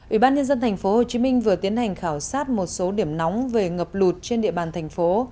ủy ban nhân dân tp hcm vừa tiến hành khảo sát một số điểm nóng về ngập lụt trên địa bàn thành phố